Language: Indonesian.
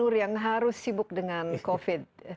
gubernur yang harus sibuk dengan covid